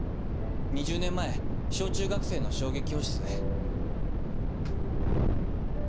２０年前小中学生の将棋教室で。